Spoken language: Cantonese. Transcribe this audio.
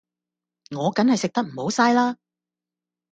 我梗係食得唔好嘥啦